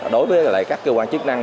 đối với các cơ quan chức năng